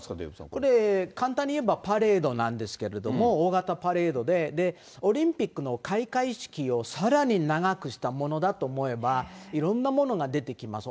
これ、簡単にいえばパレードなんですけれども、大型パレードで、オリンピックの開会式をさらに長くしたものだと思えば、いろんなものが出てきます。